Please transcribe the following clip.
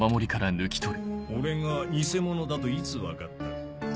俺がニセモノだといつ分かった？